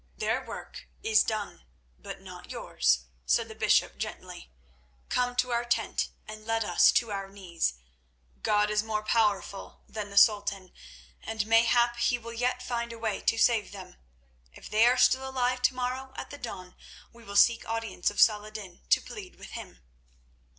"Their work is done, but not yours," said the bishop gently. "Come to our tent and let us to our knees. God is more powerful than the Sultan, and mayhap He will yet find a way to save them. If they are still alive tomorrow at the dawn we will seek audience of Saladin to plead with him."